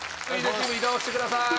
チーム移動してください。